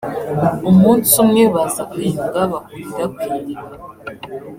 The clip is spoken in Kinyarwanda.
umunsi umwe baza kwiyunga bahurira ku iriba